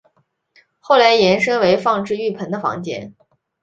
后来延伸为放置浴盆的房间。